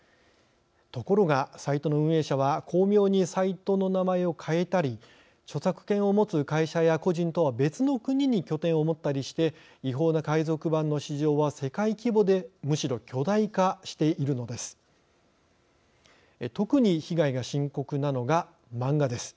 ところが、サイトの運営者は巧妙にサイトの名前を変えたり著作権を持つ会社や個人とは別の国に拠点を持ったりして違法な海賊版の市場は世界規模でむしろ巨大化しているのです。